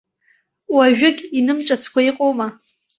Уажәыгь инымҵәацкәа иҟоума?